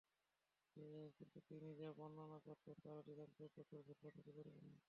কিন্তু তিনি যা বর্ণনা করতেন তার অধিকাংশই প্রচুর ভুল-ভ্রান্তিতে পরিপূর্ণ।